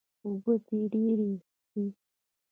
اوبۀ دې ډېرې څښي